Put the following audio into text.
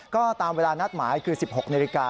ก็ตามเวลานัดหมายคือ๑๖นาฬิกา